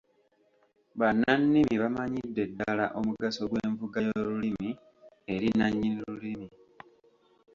Bannannimi bamanyidde ddala omugaso gw’envuga y’olulimi eri nnannyini lulimi.